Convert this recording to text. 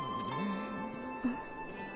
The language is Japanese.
うん。